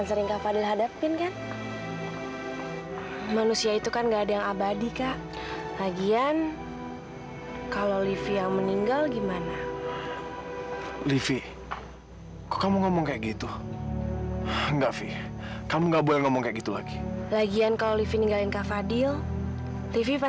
sampai jumpa di video selanjutnya